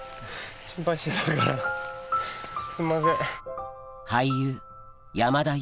すいません。